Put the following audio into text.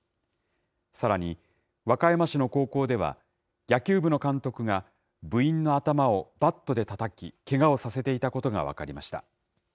さらに、和歌山市の高校では、野球部の監督が部員の頭をバットでたたき、けがをさせていたことが分かりました。